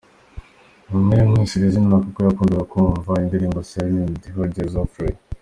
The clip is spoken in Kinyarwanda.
Mama we yamwise iri zina kuko yakundaga kumva indirimbo Célined’Hugues Aufray.